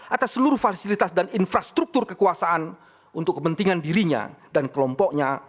atas seluruh fasilitas dan infrastruktur kekuasaan untuk kepentingan dirinya dan kelompoknya